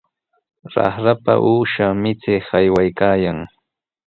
Raqrapa uusha michiq aywaykaayan.